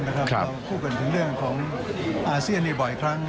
เราพูดกันถึงเรื่องของอาเซียนบ่อยครั้ง